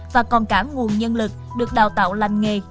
và còn cả nguồn nhân lực được đào tạo lành nghề